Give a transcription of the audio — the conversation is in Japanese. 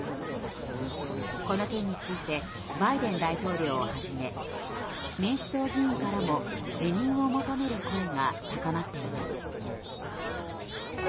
この件についてバイデン大統領をはじめ民主党議員からも辞任を求める声が高まっています。